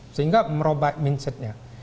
sehingga merubah mindsetnya